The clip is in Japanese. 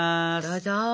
どうぞ！